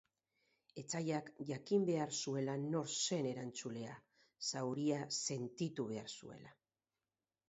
Etsaiak jakin egin behar zuela nor zen erantzulea, zauria sentitu behar zuela.